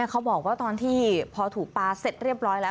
เขาบอกว่าตอนที่พอถูกปลาเสร็จเรียบร้อยแล้ว